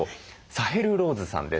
サヘル・ローズさんです。